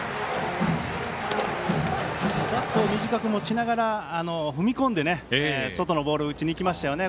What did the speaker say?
バットを短く持ちながら踏み込んで外のボール打ちにいきましたよね。